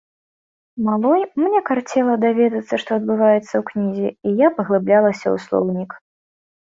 Малой, мне карцела даведацца, што адбываецца ў кнізе, і я паглыблялася ў слоўнік.